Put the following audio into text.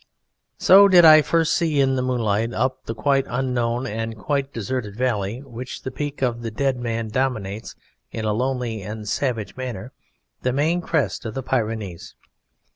So did I first see in the moonlight up the quite unknown and quite deserted valley which the peak of the Dead Man dominates in a lonely and savage manner the main crest of the Pyrenees.